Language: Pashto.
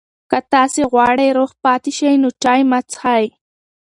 که تاسي غواړئ روغ پاتې شئ، نو چای مه څښئ.